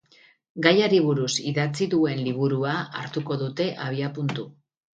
Gaiari buruz idatzi duen liburua hartuko dute abiapuntu.